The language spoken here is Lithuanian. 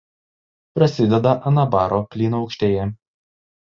Prasideda Anabaro plynaukštėje.